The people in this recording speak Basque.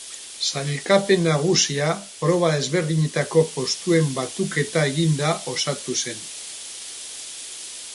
Sailkapen nagusia proba ezberdinetako postuen batuketa eginda osatu zen.